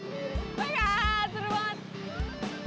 oh ya seru banget